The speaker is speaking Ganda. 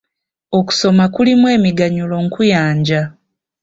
Okusoma kulimu emiganyulo nkuyanja.